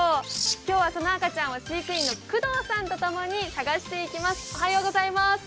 今日はその赤ちゃんを飼育員の久藤さんとともに、探していきます。